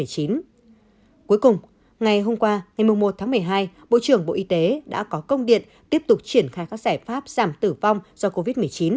cuối cùng ngày hôm qua ngày một tháng một mươi hai bộ trưởng bộ y tế đã có công điện tiếp tục triển khai các giải pháp giảm tử vong do covid một mươi chín